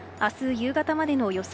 夕方までの予想